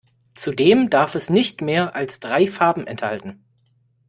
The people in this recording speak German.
Zudem darf es nicht mehr als drei Farben enthalten.